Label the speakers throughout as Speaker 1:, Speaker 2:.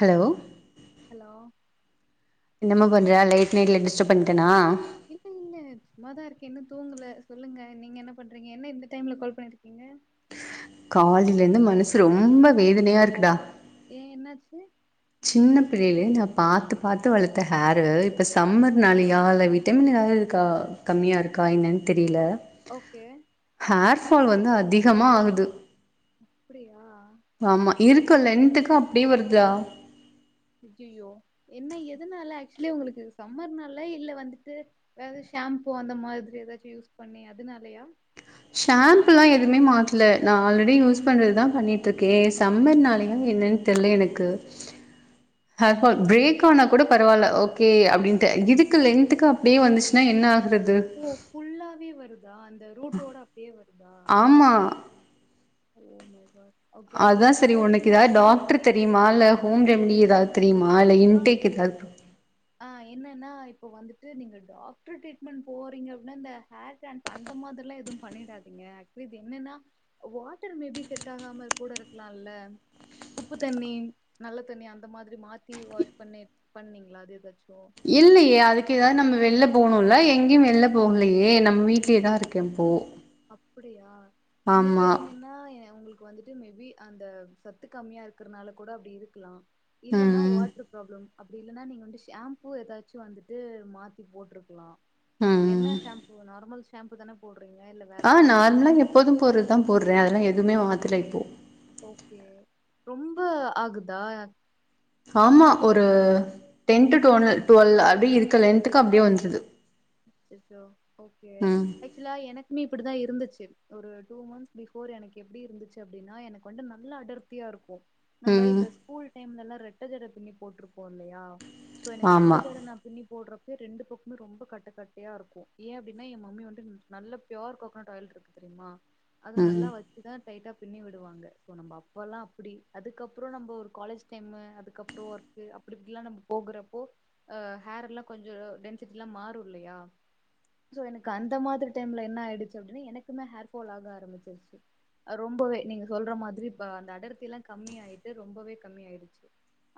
Speaker 1: Hello
Speaker 2: hello
Speaker 1: என்னமா பண்ற late நைட்ல டிஷ்டப் பண்ட்டனா
Speaker 2: இல்ல இல்ல சும்மாதாருக்க இன்னு தூங்கல சொல்லுங்க நீங்க என்ன பண்றீங்க என்ன இந்த டைம்ல கால் பணிருக்கீங்க
Speaker 1: காலிலிந்து மனசு ரொம்போ வேதனையாருக்குடா
Speaker 2: ஏ என்னாச்சு
Speaker 1: சின்ன பிள்ளைலே நான் பாத்து பாத்து வளத்த ஹேரூ இப்ப சம்மர்னாலயா இல்ல விட்டமின் ஏதாவதுருக்கா கம்மியாருக்கா என்னேன் தெரில
Speaker 2: ஓகே
Speaker 1: ஃபால் வந்து அதிகமா ஆகுது
Speaker 2: அப்பிடியா
Speaker 1: ஆமா இருக்க லென்த்துக்கு அப்டே வருதா
Speaker 2: அய்யய்யோ என்ன எதுனால ஆக்சுலி உங்களுக்கு சம்மர்னால்ல இல்ல வந்துட்டு வேறது ஷாம்பூ அந்த மாதிரி ஏதாச்சு யூஸ் பண்ணி அதுனாலயா
Speaker 1: ஷாம்ப்ல்லா எதுமே மாத்ல நா ஆல்ரெடி யூஸ் பண்றதுதா பண்ணிட் துக்கே சம்மர்னாலயா என்னன் தெர்ல எனக்கு ஹேர் ஃபால் பிரேக்கானாக் கூட பரவால்ல ஓகே அப்டின்ட்டு இதுக்கு லென்த்துக்கு அப்டியே வந்துச்ன்னா என்னா
Speaker 2: ஓ ஃபுல்லாவே வருத் தா அந்த ரூட்டோட அப்டியே வருதா?
Speaker 1: ஆமா
Speaker 2: ஓ முருகா
Speaker 1: அதான் சரி ஒனக்கெதாவது டாக்டர் தெரியுமா இல்ல ஹோம் ரெமிடி எதா தெரியுமா இல்ல இன்டேக் எதா
Speaker 2: ஆஹ் என்னன்னா இப்ப வந்துட்டு நீங்க டாக்டர் ட்ரீட்மெண்ட் போறீங்க அப்டின்னா இந்த ஹேர் ட்ரான் அந்த மாதிரில்லா எதுவு பண்ணிடாதீங்க அட்லீஸ்ட் என்னன்னா வாட்டர் மே பி செட் ஆகாம கூட இருக்லா இல்ல உப்பு தண்ணி நல்ல தண்ணி அந்த மாதிரி மாத்தி வாஷ் பண்ணி பண்ணீங்ளா அது எதும்
Speaker 1: இல்லையே அதுக்கு ஏதாவது நம்ம வெளில்ல போணும்ல எங்கேயும் வெளில்ல போகலியே நம்ம வீட்லேயேதா இருக்கே இப்போ
Speaker 2: அப்டியா என்ன
Speaker 1: ஆமா
Speaker 2: கேட்டீங்கன்னா ஏ உங்ளுக்கு வந்துட் மே பி அந்த சத்து கம்மியா இருக்கறன்னால கூட அப்டி இருக்கலா இல்லன்னா
Speaker 1: ம்
Speaker 2: வாட்டர் ப்ராப்ளம் அப்டி இல்லன்னா நீங்க வந்து ஷாம்பூ ஏதாச்சு வந்துட்டு மாத்தி போட்ருக்கலா
Speaker 1: ம்
Speaker 2: என்ன ஷாம்பூ நார்மல் ஷாம் ஷாம்பு தான போட்றீங்க
Speaker 1: ஆஹ் நார்மல்லா எப்போதும் போட்றதா போட்றே அதெல்லா எது எதுவுமே மாத்தல இப்போ
Speaker 2: ஓகே ரொம்ப ஆகுதா
Speaker 1: ஆமா ஒரு டென் டூ டோனல் டுவெல் அப்டியே இருக்க லென்த்துக்கு அப்டியே வந்திருது
Speaker 2: அச்சச்சோ ஓகே ஆக்சுவலா எனக்குமே இப்டிதா இருந்திச்சு ஒரு டூ மன்த்ஸ் பிபோர் எனக்கு எப்டி இருந்ச்சு அப்டின்னா எனக்கு வந்து நல்ல அடர்த்தியா இருக்கு நம்ம
Speaker 1: ம்
Speaker 2: இந்த ஸ்கூல் டைம்ல எல்லா ரெட் ரெட்ட ஜட பின்னி போட்ருப்போ இல்லயா சோ எனக்கு ரெட்ட
Speaker 1: ஆமா
Speaker 2: ஜட நா பின்னி போட்றப்போ ரெண்டு பக்கமுமே ரொம்ப கட் கட்ட கட்டையா இருக்கு ஏ அப்டின்னா ஏ மம்மி வந்து நல்ல ப்யோர் கோக்கனட் ஆயில் இருக்கு தெரியுமா அது
Speaker 1: ம்
Speaker 2: நல்லா வச்சுதான் டைட்டா பின்னி விடுவாங்க சோ அப்பொல்லா அப்டி அதுக்கப்றோ நம்போ ஒரு காலேஜ் டைம் அதுக்கப்றோ ஒர்க் அப்டி இப்டி எல்லா நாம போகுறப்போ அஹ் ஹேர் எல்லா கொஞ்சோ டென்சிட்டி எல்லா மாறும் குல்லயா சோ எனக்கு அந்த மாதிரி டைம்ல என்ன ஆய்டுச்சு அப்டின்னா எனக்குமே ஹேர் பால் ஆக ஆரம்பிச்சிருச்சு ரொம்பவே நீங்க சொல்ற மாதிரி அந்த அடர்த்தி எல்லா கம்மி ஆயிட்டு ரொம்பவே கம்மி ஆயிட்ச்சி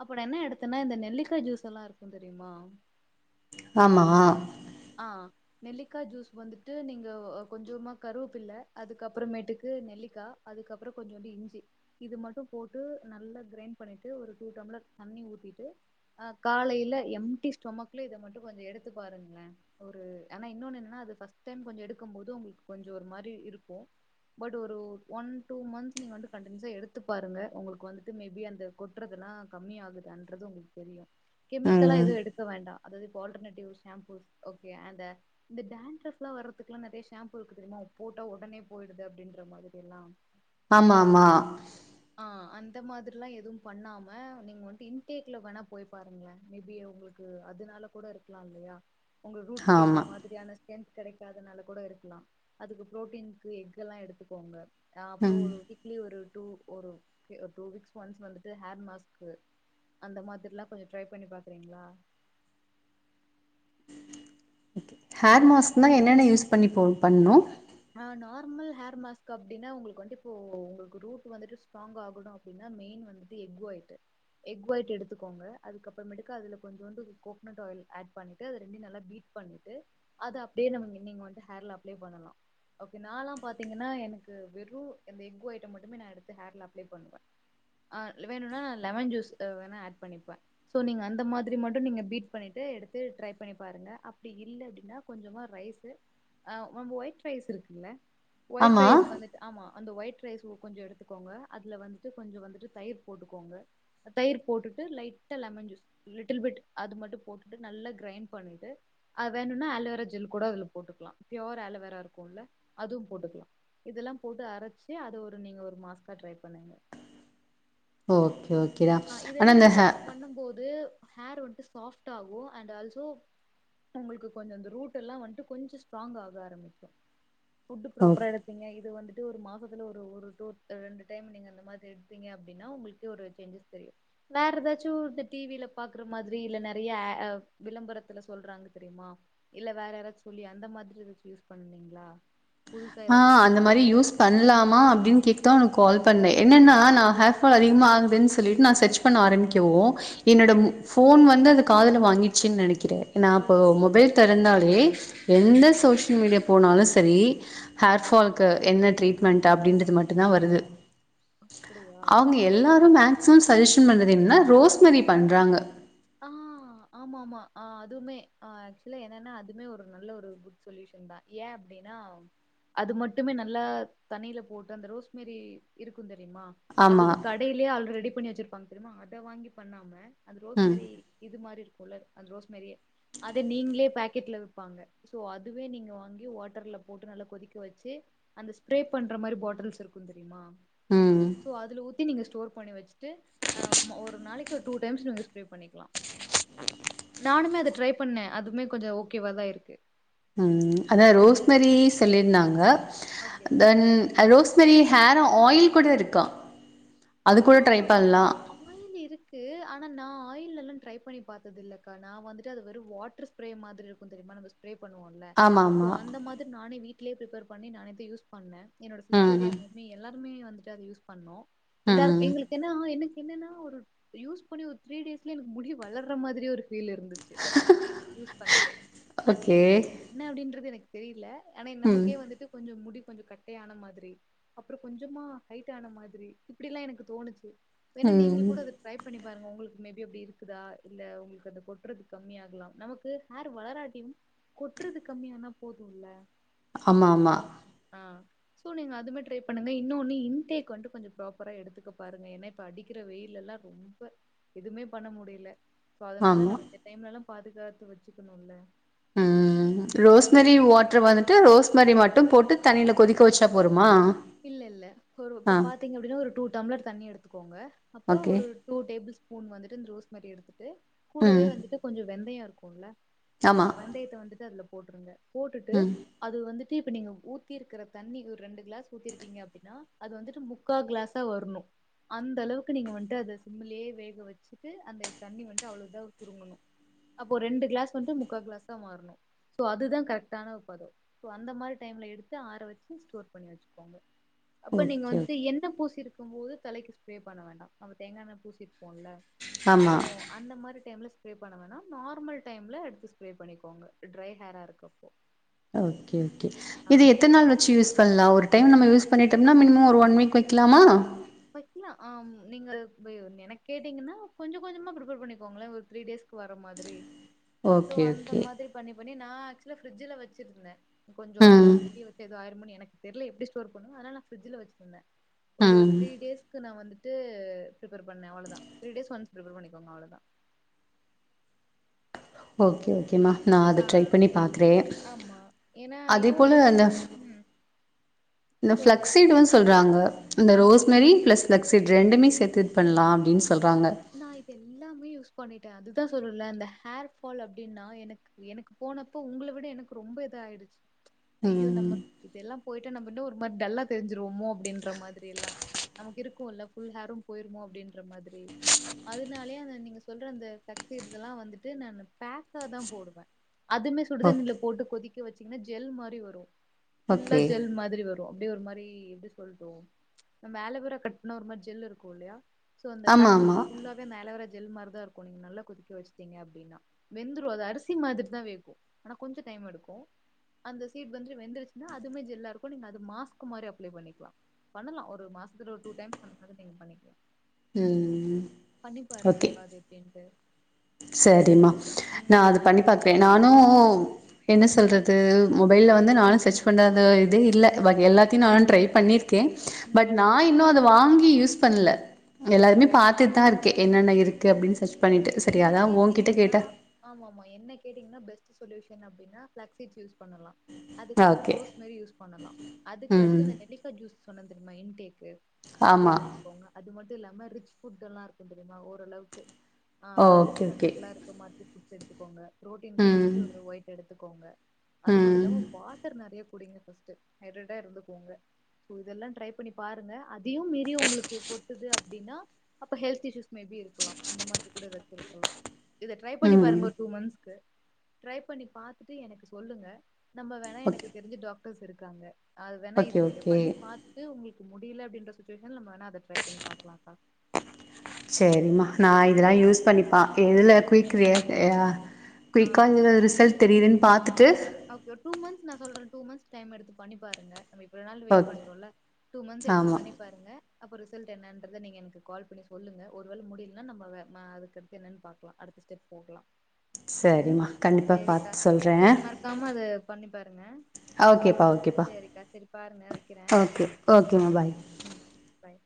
Speaker 2: அப்ப என்ன எடுத்தன்னா இந்த நெல்லிக்கா ஜூஸ் எல்லா இருக்கு தெரியுமா
Speaker 1: ஆமா
Speaker 2: ஆ நெல்லிக்கா ஜூஸ் வந்துட்டு நீங்க கொஞ்சோமா கருவப்பிள்ள அதுக்கப்பறமேட்டுக்கு நெல்லிக்கா அதுக்கப்பறோ கொஞ்சோண்டு இஞ்சி இது மட்டு போட்டு நல்லா கிரைண்ட் பண்ணீட்டு ஒரு டூ டம்ளர் தண்ணி ஊத்தீட்டு ஆ காலைல எம்டி ஸ்டொமக்ல இத மட்டும் கொஞ்சோ எடுத்து பாருங்ளே ஒரு ஆனா இன்னொன்னு என்னன்னா அது ஃபர்ஸ்ட் டைம் கொஞ்சோ எடுக்கும் போது உங்களுக்கு கொஞ்சோ ஒரு மாரி இருக்கு பட் ஒரு ஒன் டூ மந்த்ஸ் நீங்க வந்து கன்டினியூசா எடுத்து பாருங்க உங்களுக்கு வந்துட்டு மேபி அந்த கொட்டுறதுல்லா கம்மியாகுதான்றது உங்களுக்கு தெரியு கெமிக்கலா
Speaker 1: ம்
Speaker 2: எதுவு எடுக்க வேண்டா அதாது இப்போ ஆல்ட்டர்நேட்டிவ் ஷம்பூஸ் ஓகே அந்த இந்த டான்ரப்ல்லா வர்றதுக்குல்லா நெறய ஷாம்பு இருக்கு தெரியுமா போட்டா உடனே போயிடுது அப்படின்ற மாதிரி எல்லா
Speaker 1: ஆமா ஆமா
Speaker 2: ஆ அந்த மாதிரில்லா எதுவு பண்ணாம நீங்க வண்ட்டு இன்டேக்ல வேணா போய் பாருங்களே மேபி உங்களுக்கு அதுனால கூட இருக்கலா இல்லயா உங்க ரூட்க்கு ஏத்த
Speaker 1: ஆமா
Speaker 2: மாதிரியான ஸ்ட்ரென்த் கெடக் அதனால கூட இருக்கலா அதுக்கு ப்ரோட்டீன்கு எக் எல்லா எடுத்துக்கோங்க ஆ அப்பறோ
Speaker 1: ம்
Speaker 2: ஒரு வீக்லி ஒரு டூ ஒரு டூ வீக்ஸ் ஒன்ஸ் வந்துட்டு ஹேர் மாஸ்க் அந்த மாதிரில்லா கொஞ்சோ ட்ரை பண்ணி பாக்குறீங்களா
Speaker 1: ஓகே ஹேர் மாஸ்க்ன்னா என்னென்ன யூஸ் பண்ணி போ பண்ணனு
Speaker 2: ஆ நார்மல் ஹேர் மாஸ்க் அப்டின்னா உங்களுக்கு வண்ட்டு இப்போ உங்களுக்கு ரூட் வந்துட்டு ஸ்ட்ராங்க் ஆகணு அப்டின்னா மெயின் வந்துட்டு எக் ஒயிட்டு எக் ஒயிட் எடுத்துக்கோங்க அதுக்க அப்பறமேட்டுக்கு அதுல கொஞ்சோண்டு கோக்கனட் ஆயில் ஆட் பண்ணிட்டு அது இரண்டையும் நல்லா பீட் பண்ணிட்டு அத அப்படியே நம்ம நீங்க வந்து ஹேர்ல அப்ளை பண்ணலா ஓகே நாலா பாத்தீங்கன்னா எனக்கு வெறு அந்த எக் ஒயிட்ட மட்டுமே நா எடுத்து ஹேர்ல அப்ளை பண்ணுவே ஆ வேணுனா லெமன் ஜூஸ் அ வேணா ஆட் பண்ணிப்பே சோ நீங்க அந்த மாதிரி மட்டு நீங்க பீட் பண்ணிட்டு எடுத்து ட்ரை பண்ணி பாருங்க அப்டி இல்ல அப்டின்னா கொஞ்சமா ரைஸ்ஸு ஆ அந்த ஒயிட் ரைஸ் இருக்குல்ல ஒயிட்
Speaker 1: ஆமா
Speaker 2: ரைஸ் வந்துட்டு ஆமா அந்த ஒயிட் ரைஸ் கொஞ்சோ எடுத்துக்கோங்க அதுல வந்துட்டு கொஞ்சோ வந்துட்டு தயிர் போட்டுக்கோங்க தயிர் போட்டுட்டு லைட்டா லெமன் ஜூஸ் லிட்டில் பிட் அது மட்டு போட்டுட்டு நல்லா கிரைண்ட் பண்ணிட்டு அத வேணுனா அலோவேரா ஜெல் கூட அதுல போட்டுக்லா பியூர் அலோவேரா இருக் குல்ல அதுவு போட்டுக்லா இதெல்லா போட்டு அரச்சி அத ஒரு நீங்க ஒரு மாஸ்கா ட்ரை பண்ணுங்க
Speaker 1: ஓகே ஓ
Speaker 2: ஆ இதெல்லா நீங்க பண்ணும் போது ஹேர் வந்ட்டு சாஃப்ட் ஆகு அண்ட் ஆல்சோ உங்களுக்கு கொஞ்சோ அந்த ரூட் எல்லா வந்ட்டு கொஞ்சோ ஸ்ட்ராங்க் ஆக ஆரம்பிக்கு ஃபுட்
Speaker 1: ஓ
Speaker 2: ப்ராப்பரா எடுத்தீங்க இது வந்துட் டு ஒரு மாசத்துல ஒரு ஒரு டூ ரெண்டு டைம் நீங்க அந்த மாதிரி எடுப்பீங்க அப்டின்னா உங்களுக்கே ஒரு சேஞ்சஸ் தெரியு வேற ஏதாச்சு இந்த டிவில பாக்குற மாதிரி இல்ல நெறய ஆ விளம்பரத்துல சொல்றாங்க தெரியுமா இல்ல வேற யாராச்சு சொல்லி அந்த மாதிரி ஏதாச்சு யூஸ் பண்ணீங்ளா
Speaker 1: ஆ அந்த மாரி யூஸ் பண்லாமா அப்டின்னு கேக் தா உனக்கு கால் பண்ணே என்னென்னா நா ஹேர் ஃபால் அதிகமாக ஆகுதுன்னு சொல்லிட்டு நா சர்ச் பண்ண ஆரம்பிக்கவு
Speaker 2: ஆ
Speaker 1: என்னோட மு ஃபோன் வந்து அது காதுல வாங்கீடுச்சின்னு நெனைக்கிறே நா இப்போ
Speaker 2: ஓகே
Speaker 1: மொபைல் தெறந்தாலே எந்த
Speaker 2: ஓகே
Speaker 1: சோசியல் மீடியா போனாலு சரி ஹேர்
Speaker 2: ம்
Speaker 1: ஃபால்க்கு என்ன ட்ரீட்மெண்ட் அப்டின்றது மட்டு தா வருது
Speaker 2: அப்டியா
Speaker 1: அவுங்க எல்லாரு மேக் சிமம் சஜெஷன் பண்ணது என்னன்னா ரோஸ்மரி பண்றாங்க
Speaker 2: ஆஹ் ஆமா ஆமா ஆ அதுவுமே ஆக்சுவலா என்னன்னா அதுமே ஒரு நல்ல ஒரு குட் சொல்யூஷன் தா ஏ அப்டின்னா அது மட்டுமே நல்லா தண்ணில போட்டு அந்த ரோஸ்மெரி இருக்கூ தெ ரியுமா
Speaker 1: ஆமா
Speaker 2: அதது கடைலயே ஆல்ரெடி பண்ணி வச்சிருப்பாங்க தெரியுமா அத வாங்கி பண்ணாம
Speaker 1: ம்
Speaker 2: ரொஸ்மெரி இது மாரி இருக் குள்ள அந்த ரோஸ் மாரியே அத நீங்களே பேக் கெட்ல விப்பாங்க சோ அதுவே நீங்க வாங்கி வாட்டர்ல போட்டு நல்லா கொதிக்க வச்சு அந்த ஸ்ப்ரே பண்ற மாரி பாட்டில்ஸ் இருக்கும் தெரியுமா
Speaker 1: உஹ்ம்
Speaker 2: தி நீங்க ஸ்டோர் ண்ணி வச் சு அ ம ஒரு நாளைக்கு டூ டைம்ஸ் நீங்க யூஸ் நானுமே அத ட்ரை பண்ணே அதுமே கொஞ்சொ ஓகேவாதா இருக்கு
Speaker 1: ம் அதா
Speaker 2: ட்ரை பண்ணி
Speaker 1: ரோஸ்மெரி
Speaker 2: பாத்திருக்கேன்
Speaker 1: சொல்லியிருந்தாங்க
Speaker 2: ஓகே
Speaker 1: தென் அ ரோஸ்மேரி ஹேரொ ஆயில் கூட இருக்கா அது கூட ட்ரை
Speaker 2: ஆமா
Speaker 1: பண்லா
Speaker 2: ஆயிலல்லா ட்ரை பண்ணி பாத்தது இல்லக்கா நா வந்துட்டு அது வாட்டர் ஸ்ப்ரே மாதிரி இருக்குந் தெரியுமா நம்ம ஸ்ப்ரே பண்ணுவோ இல்ல
Speaker 1: ஆமா
Speaker 2: ஓ
Speaker 1: ஆமா
Speaker 2: அந்த மாதிரி நானே வீட் வீட்லயே பிரிப்பர் பண்ணி நானேதா யூஸ் பண்ணே என்னோட சிஸ்டர் எ
Speaker 1: ம்
Speaker 2: மம்மி எல்லாம் எல்லாமே வந்துட்டு அத யூஸ் பண்ணோ எல்லாருக்
Speaker 1: ம்
Speaker 2: எங்களுக்கு என்னா என்னென்னா ஒரு யூஸ் பண்ணி ஒரு த்ரீ டேஸ்லே எனக்கு முடி வளர்ற மாதிரி ஒரு ஃபீல் இருந்துச்சு அது யூஸ் பண்ணிட்டு அது
Speaker 1: ஓகே
Speaker 2: என் என்ன அப்படின்றது எனக்கு தெரியல ஆனா
Speaker 1: ம்
Speaker 2: நமக்கே வந்துட்டு கொஞ்சம் முடி கொஞ்சம் கட்டையானா மாதிரி அப்புறம் கொஞ்சமா ஹைட்டான மாதிரி இப்படிலா எனக்கு தோணுச்சு வேன்னா நீங்களு
Speaker 1: ம்
Speaker 2: கூட அத ட்ரை பண்ணி பாருங்க உங்களுக்கு மேபி அப்பிடி இருக்குதா இல்ல உங்களுக்கு அத கொட்டுறது கம்மியாகலாம் நமக்கு ஹேர் வளராட்டியும் கொட்டுறது கம்மியானா போதுல்ல
Speaker 1: ஆமா ஆமா
Speaker 2: ஆ சோ நீங்க அதுமே ட்ரை பண்ணுங்க இன்னொன்னு இன்டேக் வந்து கொஞ்சம் ப்ரா பரா எடுத்துக்க பாருங்க ஏன்னா இப்ப அடிக்கிற வெயில் எல்லா ரொம்ப எதுவுமே பண்ண முடியல சோ அதனால
Speaker 1: ஆமா
Speaker 2: நம்ம இந்த டைம்ல எல்லா பாதுகாத்து வச்சுக்கணு இல்ல
Speaker 1: உம் ரோஸ்னரி வாட்டர் வந்து ட்டு ரோஸ்மரி மட்டும் போட்டு தண்ணியில கொதிக்க வச்சா போருமா
Speaker 2: இல்ல இல்ல இப்ப ஒரு இப்ப
Speaker 1: ஆ
Speaker 2: பாத்தீங்க அப்படின்னா ஒரு டூ டம்ளர் தண்ணி எடுத்துக்கோங்க அப்போ
Speaker 1: ஓகே
Speaker 2: ஒரு டூ டேபிள் ஸ்பூ பூன் வந்துட்டு இந்த ரோஸ்மரி எடுத்து கூடவே
Speaker 1: ம்
Speaker 2: வந்துட்டு கொஞ்ச வெந்தய இருக்கு கொல்ல ஆ
Speaker 1: ஆமா
Speaker 2: வெந்தயத்த வந்துட்டு அதுல போ போட்ருங்க போட்டுட்டு
Speaker 1: ம்
Speaker 2: அது வந்துட் இப்ப நீங்க ஊத்திருக்ற தண்ணி ஒரு ரெண்டு கிளாஸ் ஊத்திருக்கீங்க அப்டினா அது வந்துட்டு முக்கா கிளாஸா வர்னு அந்த அளவுக்கு நீங்க வந்ட்டு அத சிம்லியே வேக வச்சுட்டு அந்த தண்ணி வந்ட்டு அவ்வள தா சுருங்கணு அப்போ ரெண்டு கிளாஸ் வந்ட்டு முக்கா கிளாஸா மாறனு சோ அது தா கரெக்டான ஒரு பதோ சோ அந்த மாரி டைம்ல எடுத்து ஆற வச்சு ஸ்டோர் பண்ணி வச்சு கோங்க அப்ப நீங்க
Speaker 1: ஓகே
Speaker 2: வந்துட்டு
Speaker 1: ஓகே
Speaker 2: என்ன பூசிர்க் குபோது தலைக்கு ஸ்ப்ரே பண்ண வேண்டா நம்ம தேங்காண்ணே பூசிப்போல்ல சோ
Speaker 1: ஆமா
Speaker 2: அந்த மாரி டைம்ல ஸ்பரே பண்ண வேனா நார்மல் டைம்ல எடுத்து ஸ்ப்ரே பண்ணிக்கோங்க ட்ரை ஹேரா இருக்கு
Speaker 1: ஓகே ஓகே இது எத்தன் நாள் வெச்சு யூஸ் பண்லா ஒரு டைம் நம்ம யூஸ் பண்ணிட்டம்னா மினிமோ ஒரு ஒன் வீக் வெக்கிலாமா
Speaker 2: வக்கிலா ஆம் நீங்க வெ என கேட்டீங்கனா கொஞ்சோ கொஞ்சமா ப்ரிப்பேர் பண்ணிக்கோங்களே ஒரு த்ரீ டே்ஸ்க் வர மாதிரி சோ
Speaker 1: ஓகே
Speaker 2: அந்த
Speaker 1: ஓகே
Speaker 2: மாதிரி பண்ணி பண் டே நா ஆக்சுலா ஃபிரிட்ஜில வச்சிருந்தே கொஞ்சோ அது
Speaker 1: ம்
Speaker 2: வெளிய விட்டு ஏதோ ஆயிருமோனு என எனக் தெர்ல எப்டி ஸ்டோர் பண்ணு அதனால நா ஃப்ரிஜ்ல வச்சிட்ருந்தே.
Speaker 1: அ
Speaker 2: கு நா வந்துட்டு ப்ரிப்பர் பண்ணே அவளதா த்ரீ டேஸ் ஒன்ஸ் ப்ரிப்பர் பண்ணிக்கோங்க அவளதா
Speaker 1: ஓகே சும்மா நா அத
Speaker 2: ஆ
Speaker 1: ட்ரை பண்ணி பாக்றே
Speaker 2: ஆமா. ஏன்னா
Speaker 1: அதே
Speaker 2: இன்னொன்னு
Speaker 1: போல அந்த
Speaker 2: என்னன்னா
Speaker 1: ஃப்
Speaker 2: ம்
Speaker 1: அந்த
Speaker 2: சொல்லுங்க.
Speaker 1: ஃப்ளக்ஸ் சீடுவ சொல்றாங்க அந்த
Speaker 2: ஆமா.
Speaker 1: ரோஸ்மேரி பிளஸ் ஃபளக்ஸிட் ரெண்டுமே சேத்தித்
Speaker 2: [unintelligible] நா இது எல்லாமே யூஸ் பண்ணி அதுதா சொல்றல்ல அந்த ஹேர் ஃபால் அப்டினா எனக் எனக் போனப்ப உங்கள விட எனக் ரொம்ப இது ஆயிடிச்சு ஐயோ
Speaker 1: ம்
Speaker 2: நமக் இதெலா போயிட்டு நம்ப இன்னு ஒர் மாரி டல்லா தெரிஞ்சிருவோமே அப்டின்ற மாதிரி எல்லா நமக்கு இருக்குல்ல ஃபுல் ஹேரு போயிருமோ அப்டின் ன்றமாதிரி அதனாலயே அத நீங்க அந்த ப்ளக்சீட்ஸ்லா வந்துட்டு நானு பேக்கா தா போடுவே அதுமே
Speaker 1: ஓகே
Speaker 2: சுடுதண்ணில போட்டு கொதிக் வச்சீங்கனா ஜெல் மாரி வரும் ஃபுல்லா
Speaker 1: ஓகே
Speaker 2: ஜெல் மாதிரி வரும் அப்டியே ஒரு மாரி எப்டி எப்டி சொல்டும் நம்ம ஆலுவேரா கட் பண்ணா ஒரு மாரி ஜெல் இருக்கு இல்லயா சோ அந்த
Speaker 1: ஆமா
Speaker 2: பாக்கெட்
Speaker 1: ஆமா
Speaker 2: ஃபுல்லாவே அந்த ஆலோவேரா ஜெல் மாரி ருக் தா இருக்கு நீங்க நல்லா கொதிக்க வச்ட்டீங்க அப்டின்னா வெந்துரு அது அரிசி மாதிரி தான் வேகு ஆனா கொஞ்ச டைம் எடுக்கும் அந்த சீட் வந்து வெந்துடுச்சின்னா அதுமே ஜெல்லா இருக்கு நீங்க அது மாஸ்க்கு மாரி அப்ளே பண்ணிக்லா பண்ணலா ஒரு மாசத்துல டூ டைம் அந்த மாரி நீங்க பண்ணிகலா
Speaker 1: ம்
Speaker 2: பண்ணி பாருங்கக்கா அது எப்படின்ட்டு
Speaker 1: சரிமா நா அது பண்ணி பாக்கறேன் நானு என்ன சொல்றது மொபைல்ல வந்து நானு சர்ச் பண்ணாத இதே இல்ல எல்லாத்தையும் நானு ட்ரை பண்ணி க்கே பட்
Speaker 2: ம்
Speaker 1: நா இன்னு அத வாங்கி யூஸ் பண்ல
Speaker 2: ஓகே.
Speaker 1: எல்லாமே பாத்துட்தா இருக் கே என்னென்ன இருக்கு அப்படின்னு சர்ச் பண்ணி
Speaker 2: என்ன கேட்டீங்கன்னா ஆமாமா என்ன கேட்டீங்கன்னா பெஸ்ட் சொல்யூஷன் அப்படின்னா பிளக்சீட்ஸ் யூஸ் பண்ணலா அதுக்கப்பற
Speaker 1: ஓகே
Speaker 2: ரோஸ் மேரி யூஸ் பண்ணலாம் அதுக்கு அடுத்து
Speaker 1: ம்
Speaker 2: இந்த நெல்லிக்கா ஜூஸ் [unintelligible] கு அது
Speaker 1: ஆமா
Speaker 2: எடுத்துக்கோங்க அது மட்டு இது இல்லாம ரிச் ஃபுட் எல்லா இருக்கு தெரியுமா ஓரளவுக்கு ஆஹ் ரிச்
Speaker 1: ஓகே ஓகே
Speaker 2: கன்டென்ட்ல இருக்க மாதிரி ஃபுட் எடுத்துக்கோங்க புரோட்டீனுக்கு
Speaker 1: ம்
Speaker 2: எக்கு வைட் எடுத் துக்கோங்க அது மட்டு
Speaker 1: ம்
Speaker 2: இல்லாம வாட்டர் நெறைய குடிங்க ஃபர்ஸ்ட் ஹைட்ரேட்டா இருந்துக்கோங்க இதெல்லா ட்ரை பண்ணி பாருங்க அதயு மீறி உங்களுக்கு கொட்டுது அப்டின்னா அப்ப ஹெல்த் இஸ்யூஸ் மே பி இருக்கலாம் அந்த மாரி ஏதாச்சு இருக்குல்ல இத ட்ரை பண்ணி
Speaker 1: ம்
Speaker 2: பாருங்க ஒரு டூ மந்த்ஸ் கு ட்ரை பண்ணி பாத்துட்டு எனக்கு சொல்லுங்க நம்ம வேணா எனக்கு
Speaker 1: ஓகே
Speaker 2: தெரிஞ்ச டாக் டர்ஸ் இருக்காங்க அது வேணா
Speaker 1: ஓகே
Speaker 2: இது நீங்க
Speaker 1: ஓகே
Speaker 2: பண்ணி பாத்ட்டு உங்களுக்கு முடியல அப்டிங்கிற சிச்சுவேஷன்ல நம்ம வேணா அத ட்ரை பண்ணி பாக்கலாக்கா
Speaker 1: செரிம்மா நா இதெல்லா
Speaker 2: சரியா
Speaker 1: யூஸ் பண்ணிப்பா எதில குய்க் ரி ஏஅ
Speaker 2: ஆ
Speaker 1: குய்க்கா இது ரிசல்ட் தெரியுதுன் பாத்துட்டு
Speaker 2: ஓகே ஒரு டூ மந்த்ஸ் நா சொல்ற டூ மந்த்ஸ் டைம் எடுத்து பண்ணி பாருங்க நம்ம இவ்ளோ நாள் வெயிட்
Speaker 1: ஓக்
Speaker 2: பண்டோல டூ மந்த்ஸ் எடுத்து
Speaker 1: ஆமா
Speaker 2: பண்ணி பாருங்க அப்போ ரிசல்ட் என்னன்றத நீங்க எனக்கு கால் பண்ணி சொல்லுங்க ஒரு வேள முடியலன்னா நம்ம வ அதுக்கடுத்து என்னன்னு பாக்கலாம் அடுத்த ஸ்டெப் போகலா
Speaker 1: சரிம்மா கண்டிப்பா பாத் சொல்றே
Speaker 2: ஆமா அது பண்ணி பாருங்க
Speaker 1: ஓகேப்பா ஓகேப்பா
Speaker 2: சரிக்கா சரி பாருங்க வைக்கிறே
Speaker 1: ஓகே ஓகேம்மா பாய்
Speaker 2: ம் பாய்